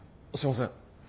すいません。